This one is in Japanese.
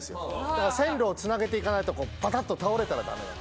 だから線路をつなげていかないとバタッと倒れたらダメ。